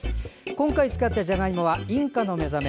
今回使ったじゃがいもはインカのめざめ。